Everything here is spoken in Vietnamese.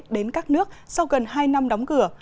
đến các nước sau gần hai năm đóng cửa